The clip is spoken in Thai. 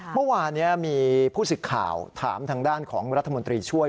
เมื่อวานนี้มีผู้สิทธิ์ข่าวถามทางด้านของรัฐมนตรีช่วย